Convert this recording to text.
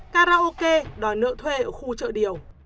karaoke đòi nợ thuê ở khu chợ điều